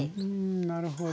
なるほど。